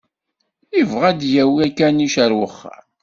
Yebɣa ad d-yawi akanic ar wexxam.